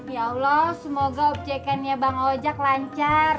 ya allah semoga objekennya bang ojek lancar